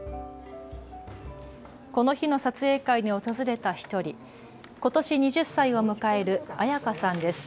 この日の撮影会に訪れた１人、ことし２０歳を迎える彩花さんです。